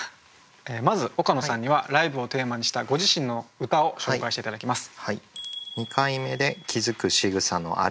まず岡野さんには「ライブ」をテーマにしたご自身の歌を紹介して頂きます。